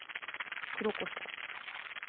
黒こしょう。